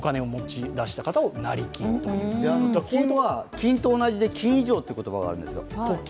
金と同じで金以上という意味があるんですよ。